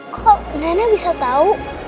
kok nenek bisa tau